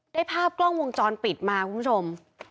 ได้ภาพกล้องวงจรปิดมาคุณผู้ชม